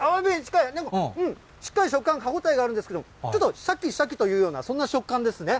しっかり食感、歯応えがあるんですけど、ちょっとしゃきしゃきというような、そんな食感ですね。